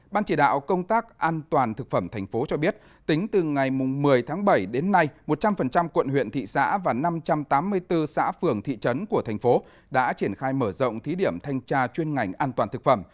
ban chỉ đạo công tác an toàn thực phẩm thành phố cho biết tính từ ngày một mươi tháng bảy đến nay một trăm linh quận huyện thị xã và năm trăm tám mươi bốn xã phường thị trấn của thành phố đã triển khai mở rộng thí điểm thanh tra chuyên ngành an toàn thực phẩm